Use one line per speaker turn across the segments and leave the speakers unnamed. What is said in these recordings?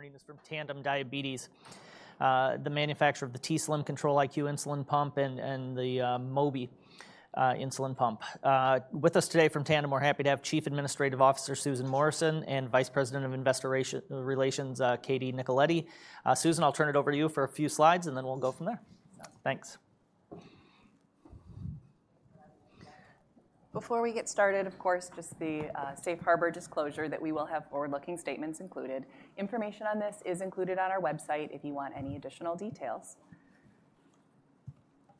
Morning. It's from Tandem Diabetes, the manufacturer of the t:slim X2 Control-IQ insulin pump and the Mobi insulin pump. With us today from Tandem, we're happy to have Chief Administrative Officer, Susan Morrison, and Vice President of Investor Relations, Katie Nicoletti. Susan, I'll turn it over to you for a few slides, and then we'll go from there. Thanks.
Before we get started, of course, just the safe harbor disclosure that we will have forward-looking statements included. Information on this is included on our website if you want any additional details.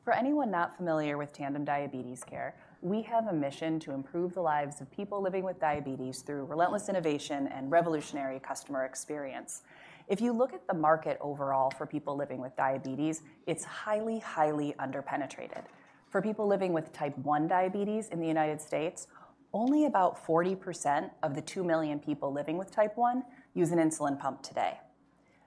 For anyone not familiar with Tandem Diabetes Care, we have a mission to improve the lives of people living with diabetes through relentless innovation and revolutionary customer experience. If you look at the market overall for people living with diabetes, it's highly, highly underpenetrated. For people living with Type 1 diabetes in the United States, only about 40% of the two million people living with Type 1 use an insulin pump today.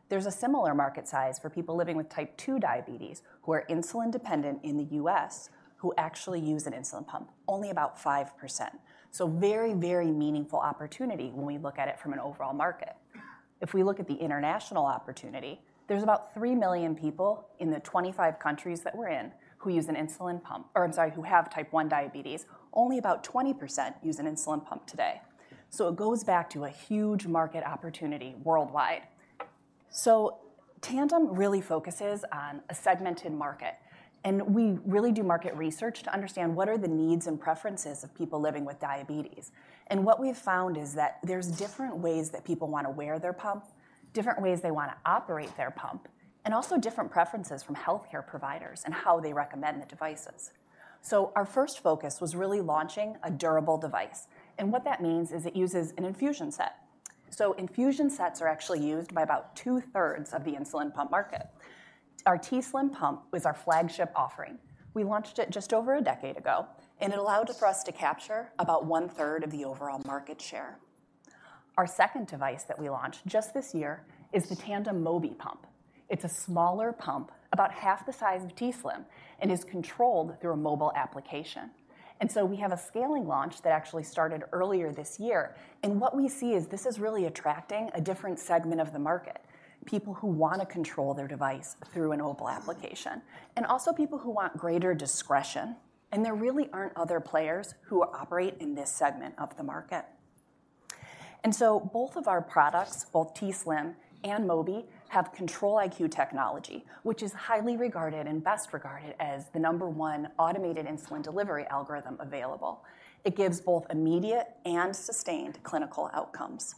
There's a similar market size for people living with Type 2 diabetes, who are insulin dependent in the U.S., who actually use an insulin pump, only about 5%. So very, very meaningful opportunity when we look at it from an overall market. If we look at the international opportunity, there's about three million people in the twenty-five countries that we're in, who use an insulin pump... Or I'm sorry, who have Type 1 diabetes. Only about 20% use an insulin pump today. So it goes back to a huge market opportunity worldwide. So Tandem really focuses on a segmented market, and we really do market research to understand what are the needs and preferences of people living with diabetes. And what we've found is that there's different ways that people wanna wear their pump, different ways they wanna operate their pump, and also different preferences from healthcare providers and how they recommend the devices. So our first focus was really launching a durable device, and what that means is it uses an infusion set. So infusion sets are actually used by about two-thirds of the insulin pump market. Our t:slim pump was our flagship offering. We launched it just over a decade ago, and it allowed for us to capture about one-third of the overall market share. Our second device that we launched just this year is the Tandem Mobi pump. It's a smaller pump, about half the size of t:slim, and is controlled through a mobile application, and so we have a scaling launch that actually started earlier this year, and what we see is this is really attracting a different segment of the market, people who wanna control their device through a mobile application, and also people who want greater discretion, and there really aren't other players who operate in this segment of the market, and so both of our products, both t:slim and Mobi, have Control-IQ technology, which is highly regarded and best regarded as the number one automated insulin delivery algorithm available. It gives both immediate and sustained clinical outcomes,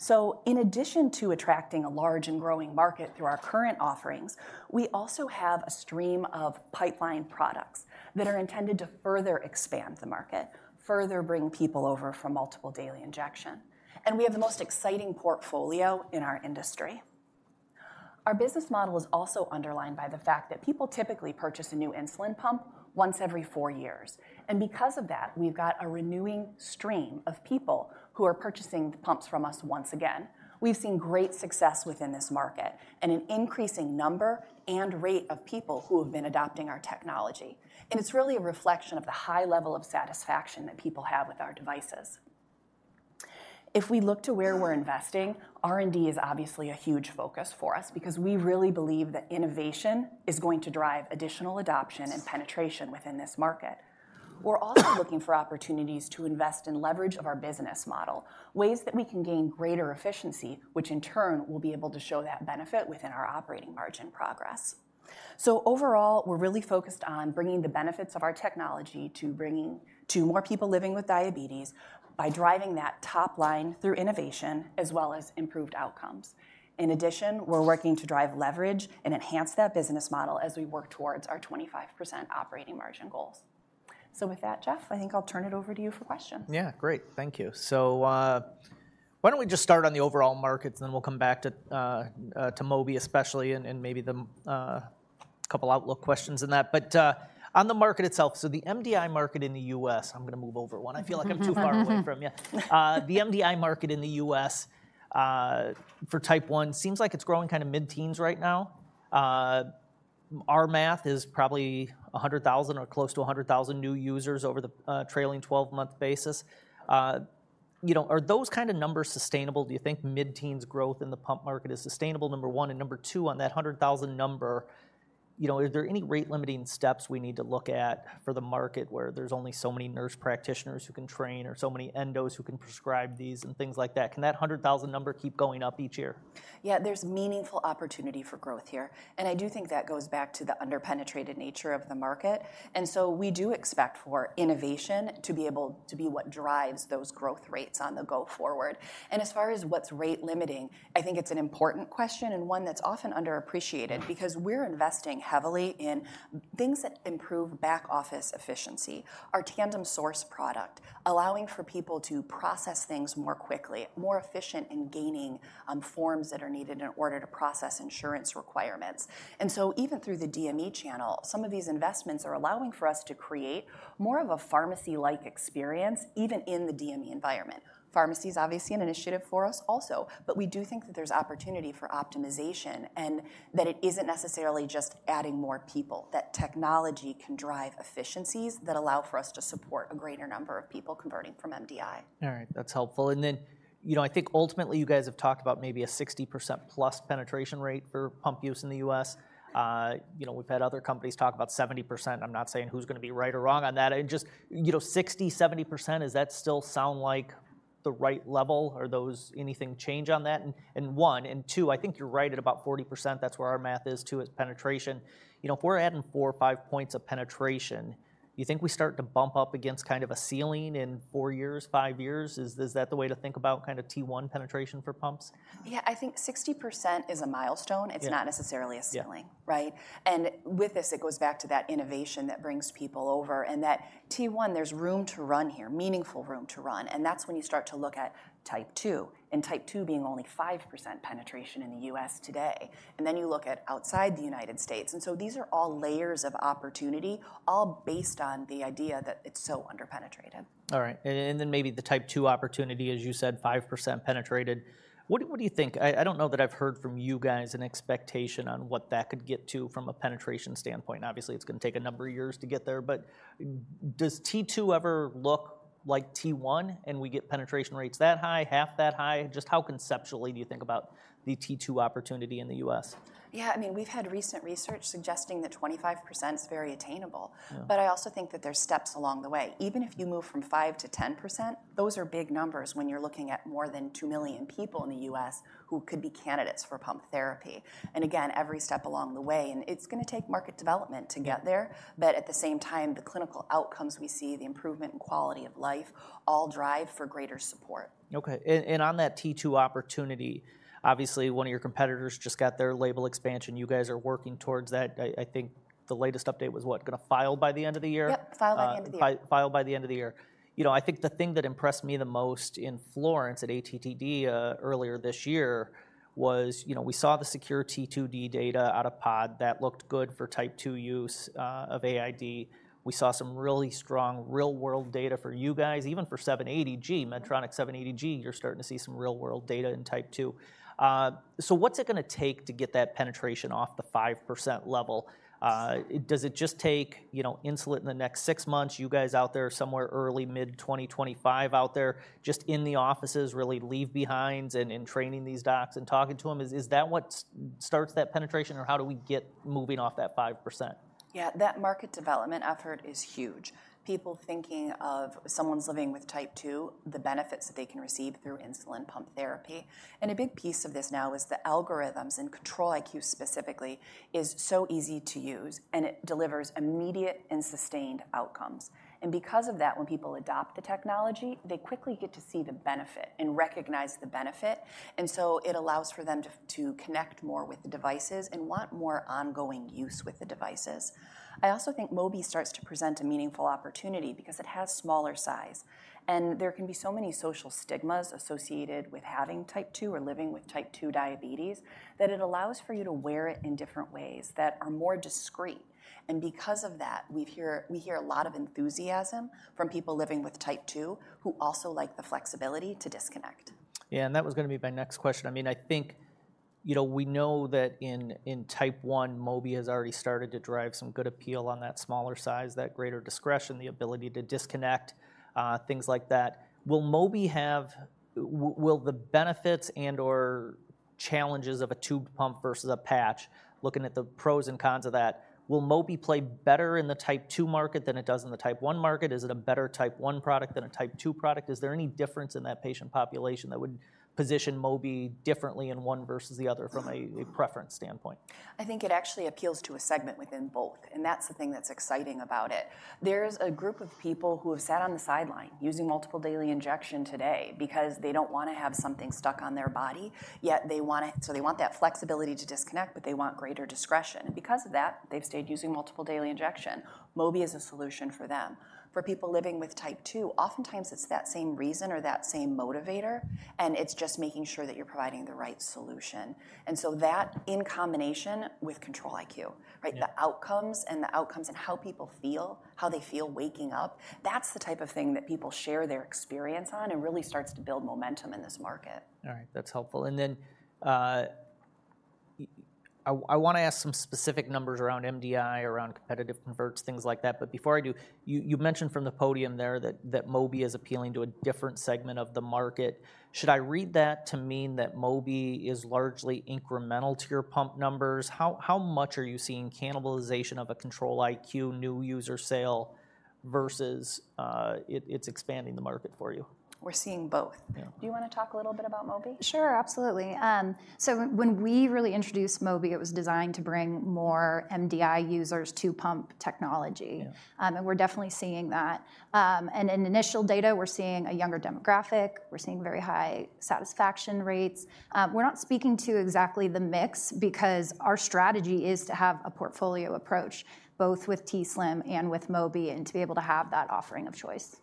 so in addition to attracting a large and growing market through our current offerings, we also have a stream of pipeline products that are intended to further expand the market, further bring people over from multiple daily injections, and we have the most exciting portfolio in our industry. Our business model is also underlined by the fact that people typically purchase a new insulin pump once every four years, and because of that, we've got a renewing stream of people who are purchasing the pumps from us once again. We've seen great success within this market, and an increasing number and rate of people who have been adopting our technology, and it's really a reflection of the high level of satisfaction that people have with our devices. If we look to where we're investing, R&D is obviously a huge focus for us because we really believe that innovation is going to drive additional adoption and penetration within this market. We're also looking for opportunities to invest in leverage of our business model, ways that we can gain greater efficiency, which in turn, will be able to show that benefit within our operating margin progress. So overall, we're really focused on bringing the benefits of our technology to bringing to more people living with diabetes by driving that top line through innovation, as well as improved outcomes. In addition, we're working to drive leverage and enhance that business model as we work towards our 25% operating margin goals. So with that, Jeff, I think I'll turn it over to you for questions.
Yeah, great. Thank you. So, why don't we just start on the overall market, and then we'll come back to, to Mobi especially, and, and maybe the, couple outlook questions in that. But, on the market itself, so the MDI market in the U.S.... I'm gonna move over one. I feel like I'm too far away from you. The MDI market in the U.S., for Type 1, seems like it's growing kind of mid-teens right now. Our math is probably a hundred thousand or close to a hundred thousand new users over the, trailing twelve-month basis. You know, are those kind of numbers sustainable? Do you think mid-teens growth in the pump market is sustainable, number one? Number two, on that hundred thousand number, you know, are there any rate-limiting steps we need to look at for the market, where there's only so many nurse practitioners who can train or so many endos who can prescribe these and things like that? Can that hundred thousand number keep going up each year?
Yeah, there's meaningful opportunity for growth here, and I do think that goes back to the underpenetrated nature of the market. And so we do expect for innovation to be able to be what drives those growth rates going forward. And as far as what's rate limiting, I think it's an important question, and one that's often underappreciated because we're investing heavily in things that improve back office efficiency. Our Tandem Source product, allowing for people to process things more quickly, more efficient in obtaining forms that are needed in order to process insurance requirements. And so even through the DME channel, some of these investments are allowing for us to create more of a pharmacy-like experience, even in the DME environment. Pharmacy is obviously an initiative for us also, but we do think that there's opportunity for optimization, and that it isn't necessarily just adding more people, that technology can drive efficiencies that allow for us to support a greater number of people converting from MDI.
All right. That's helpful. And then, you know, I think ultimately you guys have talked about maybe a 60% plus penetration rate for pump use in the U.S. You know, we've had other companies talk about 70%. I'm not saying who's gonna be right or wrong on that. And just, you know, 60, 70%, does that still sound like the right level? Has anything changed on that? And one and two, I think you're right at about 40%, that's where our math is, too, is penetration. You know, if we're adding four or five points of penetration, you think we start to bump up against kind of a ceiling in four years, five years? Is that the way to think about kind of T1 penetration for pumps?
Yeah, I think 60% is a milestone.
Yeah.
It's not necessarily a ceiling-
Yeah
Right? And with this, it goes back to that innovation that brings people over, and that T1, there's room to run here, meaningful room to run, and that's when you start to look at Type 2, and Type 2 being only 5% penetration in the U.S. today, and then you look at outside the United States. And so these are all layers of opportunity, all based on the idea that it's so under-penetrated.
All right. And then maybe the Type 2 opportunity, as you said, 5% penetrated. What do you think? I don't know that I've heard from you guys an expectation on what that could get to from a penetration standpoint. Obviously, it's gonna take a number of years to get there, but does T2 ever look like T1, and we get penetration rates that high, half that high? Just how conceptually do you think about the T2 opportunity in the U.S.?
Yeah, I mean, we've had recent research suggesting that 25% is very attainable.
Yeah.
But I also think that there's steps along the way. Even if you move from 5% to 10%, those are big numbers when you're looking at more than two million people in the U.S. who could be candidates for pump therapy, and again, every step along the way. And it's gonna take market development to get there-
Yeah...
but at the same time, the clinical outcomes we see, the improvement in quality of life, all drive for greater support.
Okay. And on that T2 opportunity, obviously, one of your competitors just got their label expansion. You guys are working towards that. I think the latest update was, what? Gonna file by the end of the year?
Yep, file by the end of the year.
File by the end of the year. You know, I think the thing that impressed me the most in Florence at ATTD earlier this year was, you know, we saw the SECURE-T2D data out of Omnipod that looked good for Type 2 use of AID. We saw some really strong real-world data for you guys, even for 780G, Medtronic 780G. You're starting to see some real-world data in Type 2. So what's it gonna take to get that penetration off the 5% level? Does it just take, you know, insulin in the next six months, you guys out there somewhere early, mid 2025 out there, just in the offices, really leave behinds and training these docs and talking to them? Is that what starts that penetration, or how do we get moving off that 5%?
Yeah, that market development effort is huge. People thinking of someone living with Type 2, the benefits that they can receive through insulin pump therapy, and a big piece of this now is the algorithms and Control-IQ, specifically, is so easy to use, and it delivers immediate and sustained outcomes, and because of that, when people adopt the technology, they quickly get to see the benefit and recognize the benefit, and so it allows for them to connect more with the devices and want more ongoing use with the devices. I also think Mobi starts to present a meaningful opportunity because it has smaller size, and there can be so many social stigmas associated with having Type 2 or living with Type 2 diabetes, that it allows for you to wear it in different ways that are more discreet. Because of that, we hear, we hear a lot of enthusiasm from people living with Type 2, who also like the flexibility to disconnect.
Yeah, and that was gonna be my next question. I mean, I think, you know, we know that in Type 1, Mobi has already started to drive some good appeal on that smaller size, that greater discretion, the ability to disconnect, things like that. Will the benefits and/or challenges of a tube pump versus a patch, looking at the pros and cons of that, will Mobi play better in the Type 2 market than it does in the Type 1 market? Is it a better Type 1 product than a Type 2 product? Is there any difference in that patient population that would position Mobi differently in one versus the other from a preference standpoint?
I think it actually appeals to a segment within both, and that's the thing that's exciting about it. There's a group of people who have sat on the sideline, using multiple daily injection today because they don't wanna have something stuck on their body, yet they want it, so they want that flexibility to disconnect, but they want greater discretion, and because of that, they've stayed using multiple daily injection. Mobi is a solution for them. For people living with Type 2, oftentimes, it's that same reason or that same motivator, and it's just making sure that you're providing the right solution. And so that, in combination with Control-IQ, right?
Yeah.
The outcomes, and the outcomes and how people feel, how they feel waking up, that's the type of thing that people share their experience on and really starts to build momentum in this market.
All right. That's helpful. And then I wanna ask some specific numbers around MDI, around competitive converts, things like that, but before I do, you mentioned from the podium there that Mobi is appealing to a different segment of the market. Should I read that to mean that Mobi is largely incremental to your pump numbers? How much are you seeing cannibalization of a Control-IQ new user sale versus it’s expanding the market for you?
We're seeing both.
Yeah.
Do you wanna talk a little bit about Mobi?
Sure, absolutely. So when we really introduced Mobi, it was designed to bring more MDI users to pump technology.
Yeah.
And we're definitely seeing that. And in initial data, we're seeing a younger demographic. We're seeing very high satisfaction rates. We're not speaking to exactly the mix because our strategy is to have a portfolio approach, both with t:slim and with Mobi, and to be able to have that offering of choice.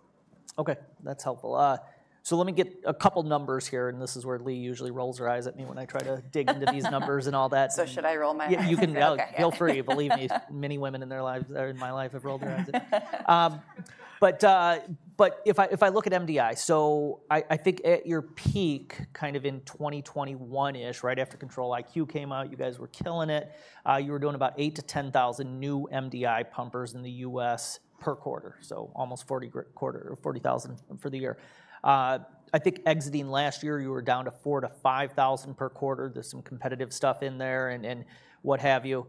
Okay, that's helpful. So let me get a couple numbers here, and this is where Leigh usually rolls her eyes at me when I try to dig into these numbers and all that.
So should I roll my eyes?
Yeah, you can-
Okay....
feel free. Believe me, many women in their lives, or in my life, have rolled their eyes at me. But if I look at MDI, so I think at your peak, kind of in 2021-ish, right after Control-IQ came out, you guys were killing it. You were doing about 8-10 thousand new MDI pumpers in the U.S. per quarter, so almost 40,000 for the year. I think exiting last year, you were down to 4 to 5 thousand per quarter. There's some competitive stuff in there and what have you.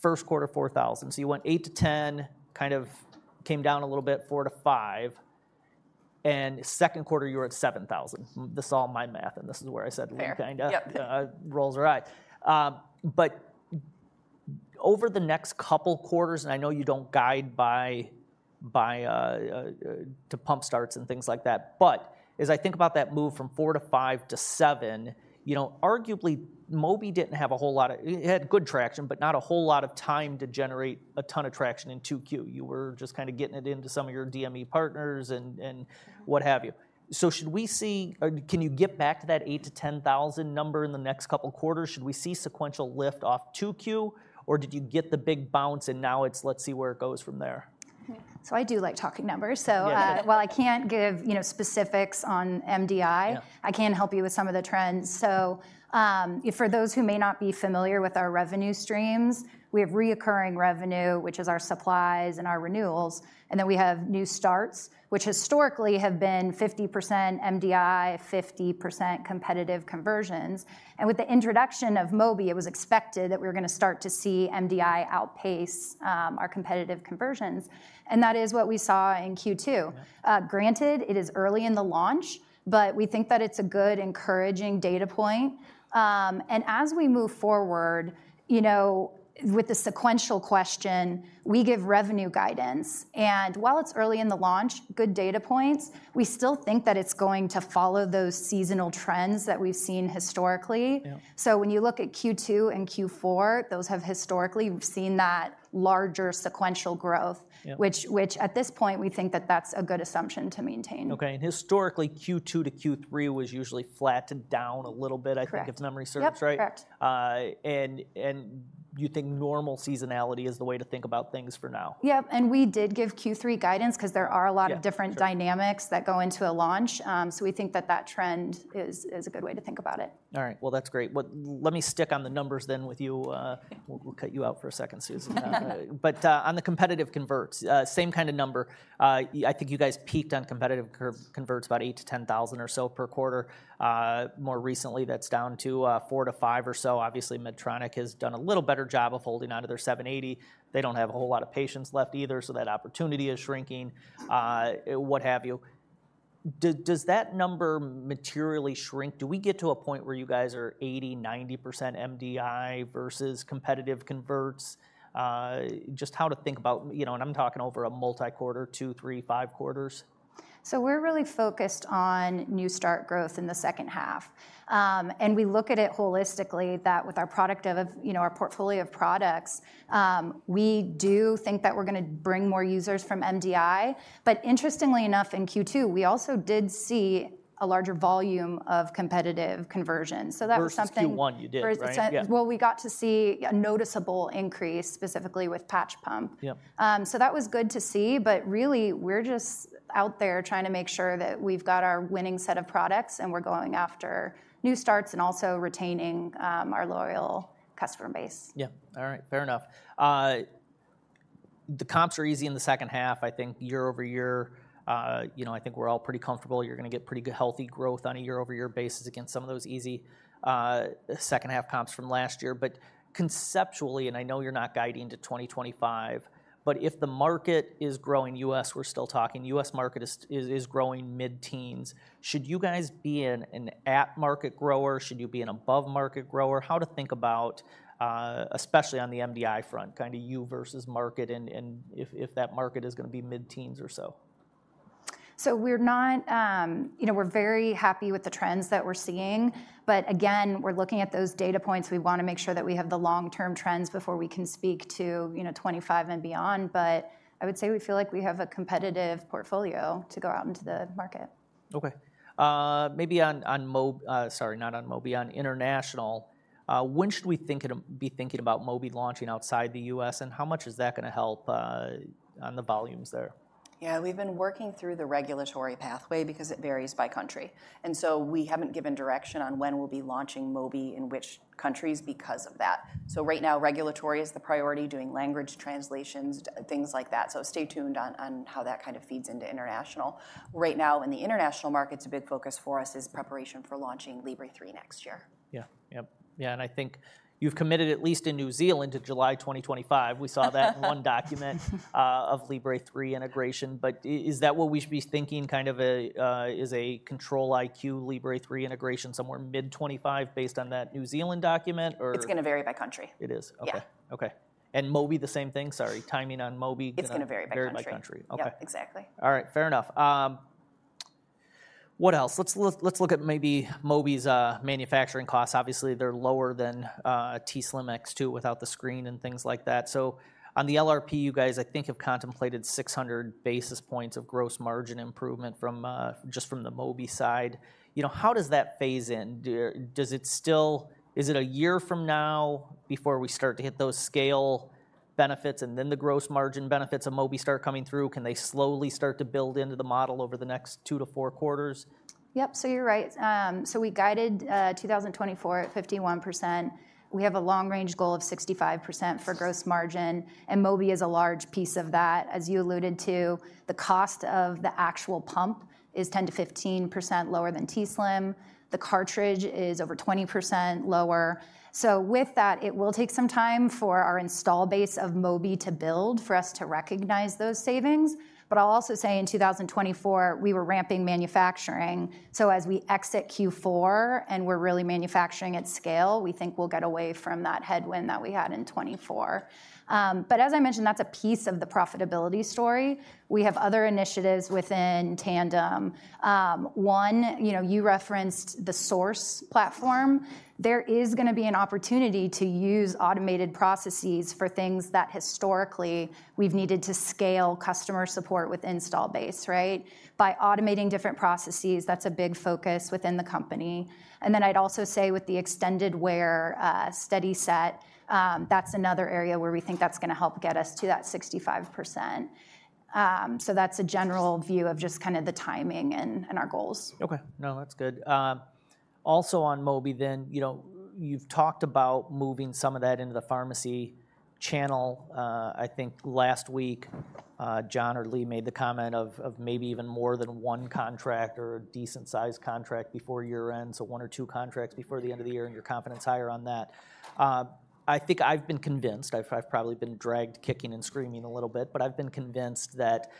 First quarter, 4,000. So you went 8-10, kind of came down a little bit, 4-5, and second quarter, you were at 7,000. This is all my math, and this is where I said-
Fair.
-we kinda-
Yep.
rolls our eyes. But over the next couple quarters, and I know you don't guide by to pump starts and things like that, but as I think about that move from four to five to seven, you know, arguably, Mobi didn't have a whole lot of... It had good traction, but not a whole lot of time to generate a ton of traction in 2Q. You were just kinda getting it into some of your DME partners and what have you. So should we see, or can you get back to that eight to 10 thousand number in the next couple of quarters? Should we see sequential lift off 2Q, or did you get the big bounce, and now it's let's see where it goes from there?
I do like talking numbers.
Yeah.
While I can't give, you know, specifics on MDI-
Yeah...
I can help you with some of the trends. So, for those who may not be familiar with our revenue streams, we have recurring revenue, which is our supplies and our renewals, and then we have new starts, which historically have been 50% MDI, 50% competitive conversions. And with the introduction of Mobi, it was expected that we were gonna start to see MDI outpace our competitive conversions, and that is what we saw in Q2.
Yeah.
Granted, it is early in the launch, but we think that it's a good, encouraging data point, and as we move forward, you know, with the sequential question, we give revenue guidance, and while it's early in the launch, good data points, we still think that it's going to follow those seasonal trends that we've seen historically.
Yeah.
So when you look at Q2 and Q4, those have historically, we've seen that larger sequential growth.
Yeah.
Which at this point, we think that that's a good assumption to maintain.
Okay, and historically, Q2 to Q3 was usually flat to down a little bit.
Correct.
I think, if memory serves, right?
Yep, correct.
You think normal seasonality is the way to think about things for now?
Yeah, and we did give Q3 guidance 'cause there are a lot of-
Yeah, sure...
different dynamics that go into a launch, so we think that that trend is a good way to think about it.
All right. That's great. Let me stick on the numbers then with you. We'll cut you out for a second, Susan. But on the competitive converts, same kind of number. I think you guys peaked on competitive converts about eight to 10 thousand or so per quarter. More recently, that's down to four to five or so. Obviously, Medtronic has done a little better job of holding onto their seven eighty. They don't have a whole lot of patients left either, so that opportunity is shrinking, what have you. Does that number materially shrink? Do we get to a point where you guys are 80-90% MDI versus competitive converts? Just how to think about, you know, and I'm talking over a multi-quarter, two, three, five quarters.
So we're really focused on new start growth in the second half. And we look at it holistically, that with our product, you know, our portfolio of products, we do think that we're gonna bring more users from MDI. But interestingly enough, in Q2, we also did see a larger volume of competitive conversion. So that was something-
Versus Q1, you did, right?
We got to see a noticeable increase, specifically with Patch Pump.
Yeah.
So that was good to see, but really, we're just out there trying to make sure that we've got our winning set of products, and we're going after new starts and also retaining our loyal customer base.
Yeah. All right, fair enough. The comps are easy in the second half. I think year over year, you know, I think we're all pretty comfortable. You're gonna get pretty good, healthy growth on a year over year basis against some of those easy second half comps from last year. But conceptually, and I know you're not guiding to twenty twenty-five, but if the market is growing U.S., we're still talking U.S. market is growing mid-teens, should you guys be an at-market grower? Should you be an above-market grower? How to think about, especially on the MDI front, kinda you versus market, and if that market is gonna be mid-teens or so?
We're not, you know, we're very happy with the trends that we're seeing, but again, we're looking at those data points. We wanna make sure that we have the long-term trends before we can speak to, you know, twenty-five and beyond. But I would say we feel like we have a competitive portfolio to go out into the market.
Okay. Maybe on international, sorry, not on Mobi, when should we be thinking about Mobi launching outside the U.S., and how much is that gonna help on the volumes there?
Yeah, we've been working through the regulatory pathway because it varies by country, and so we haven't given direction on when we'll be launching Mobi in which countries because of that. So right now, regulatory is the priority, doing language translations, things like that. So stay tuned on how that kind of feeds into international. Right now, in the international market, a big focus for us is preparation for launching Libre 3 next year.
Yeah. Yep. Yeah, and I think you've committed, at least in New Zealand, to July 2025. We saw that in one document of Libre three integration. But is that what we should be thinking, kind of a, is a Control-IQ Libre three integration somewhere mid-2025 based on that New Zealand document, or?
It's gonna vary by country.
It is.
Yeah.
Okay. Okay, and Mobi, the same thing? Sorry, timing on Mobi.
It's gonna vary by country.
Vary by country.
Yeah.
Okay.
Exactly.
All right. Fair enough, what else? Let's look at maybe Mobi's manufacturing costs. Obviously, they're lower than t:slim X2 without the screen and things like that. So on the LRP, you guys, I think, have contemplated six hundred basis points of gross margin improvement from just from the Mobi side. You know, how does that phase in? Does it still-- Is it a year from now before we start to hit those scale benefits and then the gross margin benefits of Mobi start coming through? Can they slowly start to build into the model over the next two to four quarters?
Yep, so you're right. So we guided 2024 at 51%. We have a long-range goal of 65% for gross margin, and Mobi is a large piece of that. As you alluded to, the cost of the actual pump is 10%-15% lower than t:slim. The cartridge is over 20% lower. So with that, it will take some time for our installed base of Mobi to build for us to recognize those savings. But I'll also say in 2024, we were ramping manufacturing, so as we exit Q4, and we're really manufacturing at scale, we think we'll get away from that headwind that we had in 2024. But as I mentioned, that's a piece of the profitability story. We have other initiatives within Tandem. One, you know, you referenced the Tandem Source platform. There is gonna be an opportunity to use automated processes for things that historically we've needed to scale customer support with install base, right? By automating different processes, that's a big focus within the company. And then I'd also say with the extended wear, SteadiSet, that's another area where we think that's gonna help get us to that 65%. So that's a general view of just kinda the timing and our goals.
Okay. No, that's good. Also on Mobi then, you know, you've talked about moving some of that into the pharmacy channel. I think last week, John or Leigh made the comment of maybe even more than one contract or a decent-sized contract before year-end, so one or two contracts before the end of the year, and your confidence higher on that. I think I've been convinced. I've probably been dragged, kicking and screaming a little bit, but I've been convinced that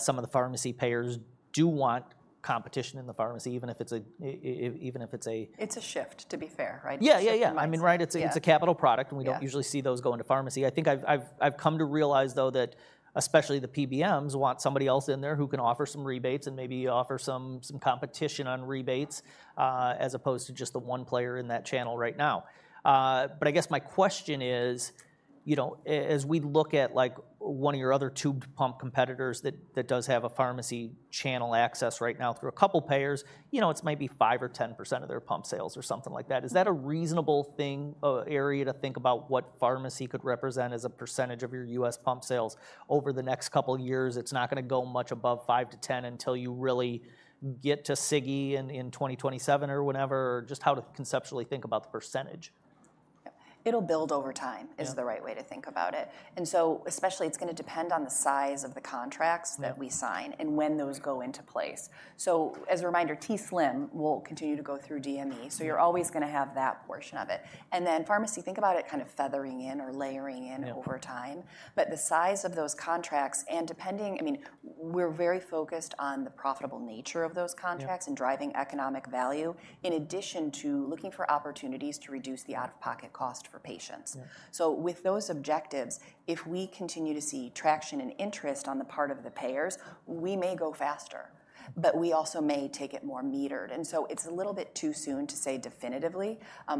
some of the pharmacy payers do want competition in the pharmacy, even if it's a even if it's a-
It's a shift, to be fair, right?
Yeah, yeah, yeah.
It's a mindset.
I mean, right, it's a capital product.
Yeah...
and we don't usually see those go into pharmacy. I think I've come to realize, though, that especially the PBMs want somebody else in there who can offer some rebates and maybe offer some competition on rebates, as opposed to just the one player in that channel right now. But I guess my question is, you know, as we look at, like, one of your other tubed pump competitors that does have a pharmacy channel access right now through a couple payers, you know, it's maybe 5% or 10% of their pump sales or something like that. Is that a reasonable thing, area to think about what pharmacy could represent as a percentage of your US pump sales over the next couple of years? It's not gonna go much above five to 10 until you really get to Sigi in 2027 or whenever, just how to conceptually think about the percentage.
It'll build over time-
Yeah...
is the right way to think about it. And so especially, it's gonna depend on the size of the contracts-
Mm
that we sign and when those go into place. So as a reminder, t:slim will continue to go through DME.
Yeah.
So you're always gonna have that portion of it. And then pharmacy, think about it kind of feathering in or layering in.
Yeah
over time. But the size of those contracts, and depending, I mean, we're very focused on the profitable nature of those contracts.
Yeah
and driving economic value, in addition to looking for opportunities to reduce the out-of-pocket cost for patients.
Yeah.
So with those objectives, if we continue to see traction and interest on the part of the payers, we may go faster, but we also may take it more metered, and so it's a little bit too soon to say definitively.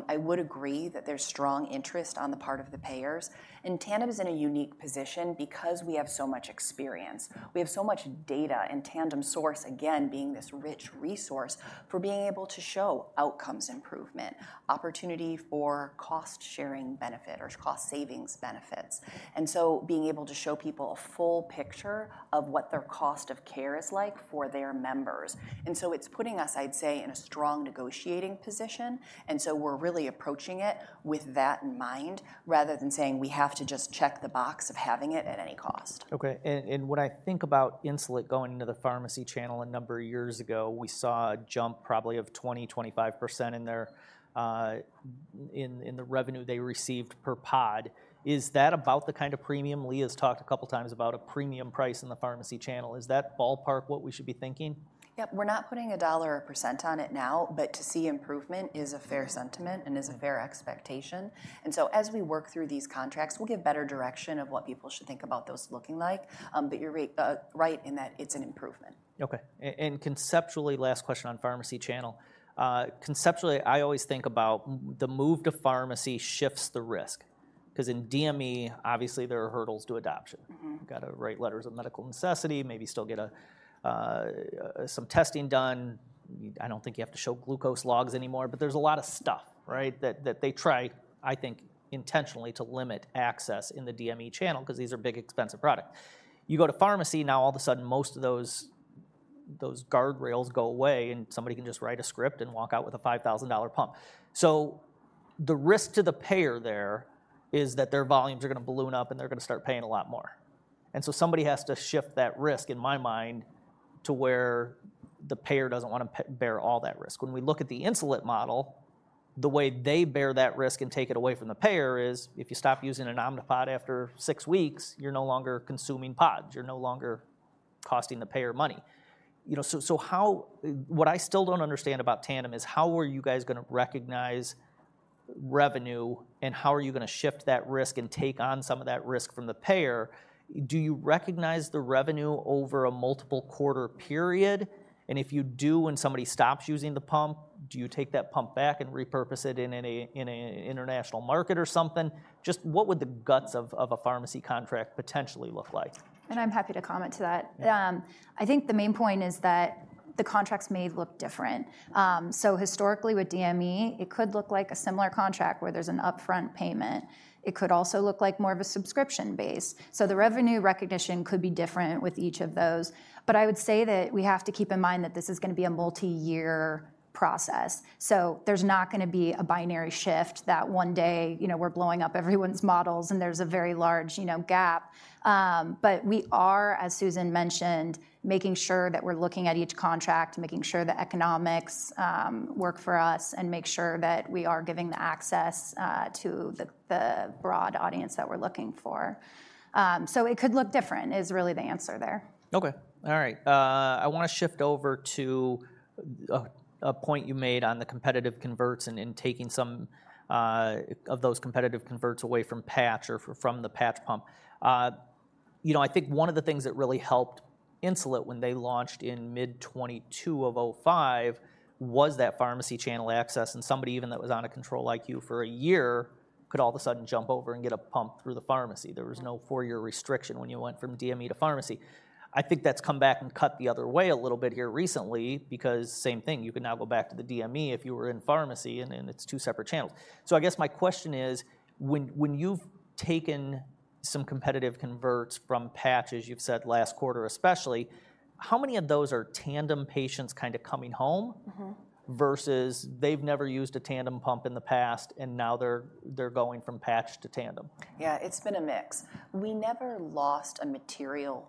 I would agree that there's strong interest on the part of the payers. And Tandem is in a unique position because we have so much experience. We have so much data, and Tandem Source, again, being this rich resource for being able to show outcomes improvement, opportunity for cost-sharing benefit or cost savings benefits. And so being able to show people a full picture of what their cost of care is like for their members. And so it's putting us, I'd say, in a strong negotiating position, and so we're really approaching it with that in mind, rather than saying we have to just check the box of having it at any cost.
Okay, and when I think about Insulet going into the pharmacy channel a number of years ago, we saw a jump probably of 20%-25% in the revenue they received per pod. Is that about the kind of premium? Lee has talked a couple times about a premium price in the pharmacy channel. Is that ballpark what we should be thinking?
Yep. We're not putting a dollar or percent on it now, but to see improvement is a fair sentiment and is a fair expectation. And so as we work through these contracts, we'll give better direction of what people should think about those looking like. But you're right in that it's an improvement.
Okay. Conceptually, last question on pharmacy channel. Conceptually, I always think about the move to pharmacy shifts the risk, because in DME, obviously, there are hurdles to adoption. You've got to write letters of medical necessity, maybe still get some testing done. I don't think you have to show glucose logs anymore, but there's a lot of stuff, right? That they try, I think, intentionally to limit access in the DME channel because these are big, expensive products. You go to pharmacy, now all of a sudden, most of those guardrails go away, and somebody can just write a script and walk out with a $5,000 pump. So the risk to the payer there is that their volumes are gonna balloon up, and they're gonna start paying a lot more. And so somebody has to shift that risk, in my mind, to where the payer doesn't wanna bear all that risk. When we look at the Insulet model, the way they bear that risk and take it away from the payer is, if you stop using an Omnipod after six weeks, you're no longer consuming pods. You're no longer costing the payer money. You know, what I still don't understand about Tandem is how are you guys gonna recognize revenue, and how are you gonna shift that risk and take on some of that risk from the payer? Do you recognize the revenue over a multiple quarter period? And if you do, when somebody stops using the pump, do you take that pump back and repurpose it in an international market or something? Just what would the guts of a pharmacy contract potentially look like?
I'm happy to comment to that.
Yeah.
I think the main point is that the contracts may look different. So historically, with DME, it could look like a similar contract where there's an upfront payment. It could also look like more of a subscription base. So the revenue recognition could be different with each of those. But I would say that we have to keep in mind that this is gonna be a multi-year process. So there's not gonna be a binary shift, that one day, you know, we're blowing up everyone's models, and there's a very large, you know, gap. But we are, as Susan mentioned, making sure that we're looking at each contract, making sure the economics work for us, and make sure that we are giving the access to the broad audience that we're looking for. So it could look different, is really the answer there.
Okay. All right. I wanna shift over to a point you made on the competitive converts and in taking some of those competitive converts away from patch or from the patch pump. You know, I think one of the things that really helped Insulet when they launched in mid-2022 with Omnipod 5 was that pharmacy channel access, and somebody even that was on a Control-IQ for a year could all of a sudden jump over and get a pump through the pharmacy. There was no four-year restriction when you went from DME to pharmacy. I think that's come back and cut the other way a little bit here recently, because same thing, you can now go back to the DME if you were in pharmacy, and then it's two separate channels. So I guess my question is, when you've taken some competitive converts from patches, you've said last quarter, especially, how many of those are Tandem patients kind of coming home- versus they've never used a Tandem pump in the past, and now they're going from patch to Tandem?
Yeah, it's been a mix. We never lost a material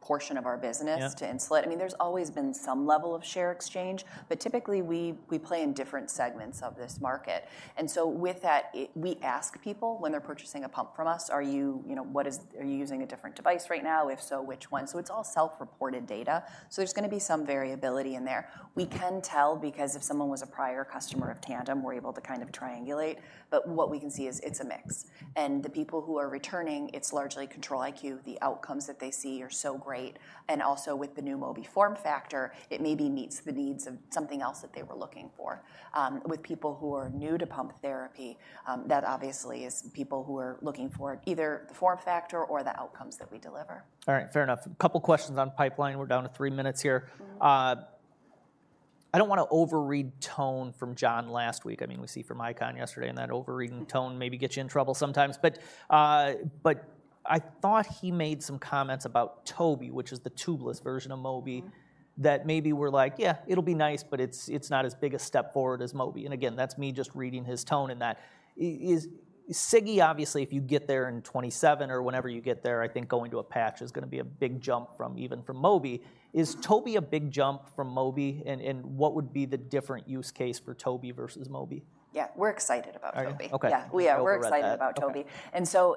portion of our business-
Yeah...
to Insulet. I mean, there's always been some level of share exchange, but typically, we play in different segments of this market. And so with that, we ask people when they're purchasing a pump from us, "Are you using a different device right now? If so, which one?" So it's all self-reported data, so there's gonna be some variability in there. We can tell because if someone was a prior customer of Tandem, we're able to kind of triangulate, but what we can see is it's a mix. And the people who are returning, it's largely Control-IQ. The outcomes that they see are so great, and also with the new Mobi form factor, it maybe meets the needs of something else that they were looking for. With people who are new to pump therapy, that obviously is people who are looking for either the form factor or the outcomes that we deliver.
All right. Fair enough. A couple of questions on pipeline. We're down to three minutes here. I don't wanna overread tone from John last week. I mean, we see from ICON yesterday, and that overreading tone maybe gets you in trouble sometimes. I thought he made some comments about Toby, which is the tubeless version of Mobi- That maybe were like, "Yeah, it'll be nice, but it's, it's not as big a step forward as Mobi." And again, that's me just reading his tone in that. Is Sigi, obviously, if you get there in twenty-seven or whenever you get there, I think going to a patch is gonna be a big jump from, even from Mobi. Is Toby a big jump from Mobi, and what would be the different use case for Toby versus Mobi?
Yeah, we're excited about Toby.
Okay.
Yeah.
Okay.
Yeah, we're excited-
I'm glad about that....
about Toby.
Okay.
And so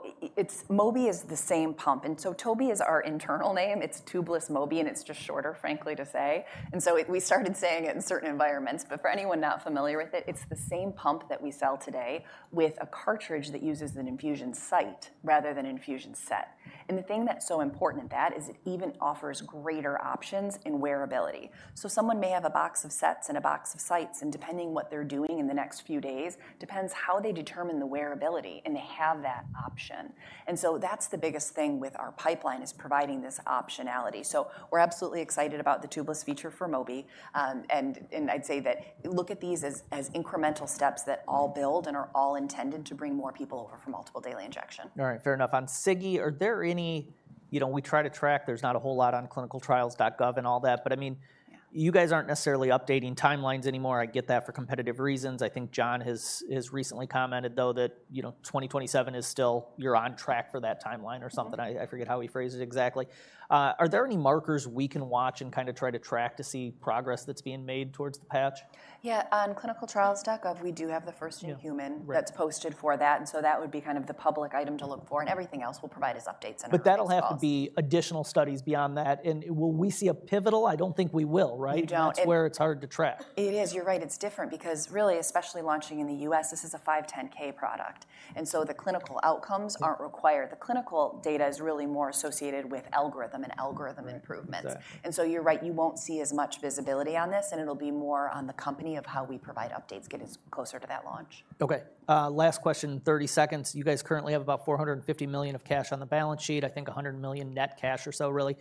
Mobi is the same pump, and so Toby is our internal name. It's tubeless Mobi, and it's just shorter, frankly, to say. And so we started saying it in certain environments, but for anyone not familiar with it, it's the same pump that we sell today with a cartridge that uses an infusion site rather than infusion set. And the thing that's so important in that is it even offers greater options in wearability. So someone may have a box of sets and a box of sites, and depending what they're doing in the next few days, depends how they determine the wearability, and they have that option. And so that's the biggest thing with our pipeline, is providing this optionality. So we're absolutely excited about the tubeless feature for Mobi. I'd say that, look at these as incremental steps that all build and are all intended to bring more people over from multiple daily injections.
All right. Fair enough. On Sigi, are there any... You know, we try to track, there's not a whole lot on ClinicalTrials.gov and all that, but I mean-
Yeah ...
you guys aren't necessarily updating timelines anymore. I get that for competitive reasons. I think John has recently commented, though, that, you know, 2027 is still, you're on track for that timeline or something. I forget how he phrased it exactly. Are there any markers we can watch and kind of try to track to see progress that's being made towards the patch?
Yeah, on ClinicalTrials.gov, we do have the first new human-
Yeah. Right...
that's posted for that, and so that would be kind of the public item to look for, and everything else we'll provide as updates on our earnings calls.
But that'll have to be additional studies beyond that. And will we see a pivotal? I don't think we will, right?
You don't.
That's where it's hard to track.
It is. You're right, it's different because really, especially launching in the U.S., this is a 510(k) product, and so the clinical outcomes-... aren't required. The clinical data is really more associated with algorithm and algorithm improvements.
Right. Exactly.
You're right, you won't see as much visibility on this, and it'll be more on the company of how we provide updates getting closer to that launch.
Okay, last question, thirty seconds. You guys currently have about $450 million of cash on the balance sheet, I think $100 million net cash or so really.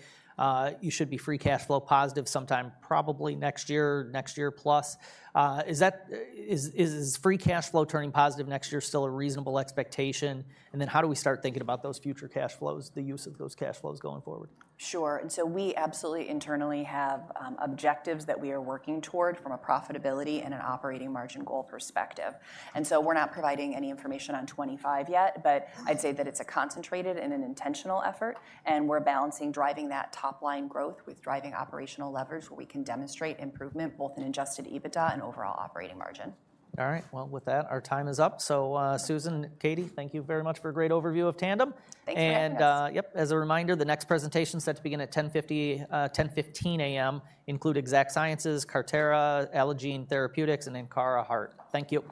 You should be free cash flow positive sometime, probably next year, next year plus. Is that free cash flow turning positive next year still a reasonable expectation? And then how do we start thinking about those future cash flows, the use of those cash flows going forward?
Sure. And so we absolutely internally have objectives that we are working toward from a profitability and an operating margin goal perspective. And so we're not providing any information on 2025 yet, but-... I'd say that it's a concentrated and an intentional effort, and we're balancing driving that top-line growth with driving operational levers, where we can demonstrate improvement both in Adjusted EBITDA and overall operating margin.
All right. With that, our time is up. Susan, Katie, thank you very much for a great overview of Tandem.
Thanks for having us.
As a reminder, the next presentation is set to begin at 10:15 AM, include Exact Sciences, Certara, Allogene Therapeutics, and then Cara Heart. Thank you.